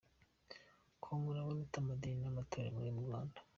com: Ubona ute amadini n’amatorero yo mu Rwanda?.